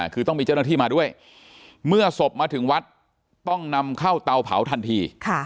คือต้องมีเจ้าหน้าที่มาด้วยเมื่อศพมาถึงวัดต้องนำเข้าเตาเผาทันที